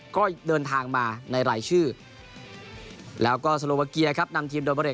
ก็เดินทางมาในรายชื่อแล้วก็สโลวาเกียครับนำทีมโดเบอร์เรด